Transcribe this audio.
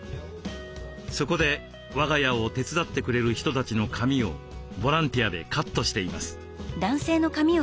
そこで「和がや」を手伝ってくれる人たちの髪をボランティアでカットしています。